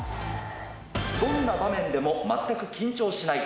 どんな場面でも全く緊張しない。